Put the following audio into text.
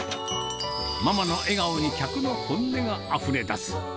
ママの笑顔に客の本音があふれ出す。